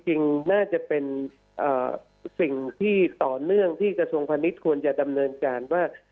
จริงน่าจะเป็นสิ่งที่ต่อเนื่องที่กระทรวงพาณิชย์ควรจะดำเนินการว่า